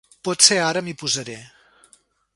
Potser ara m'hi posaré.